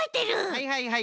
はいはいはい。